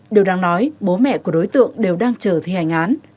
điều đáng nói bố mẹ của đối tượng đều đang chờ thi hành án